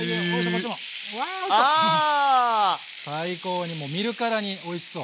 最高にもう見るからにおいしそう。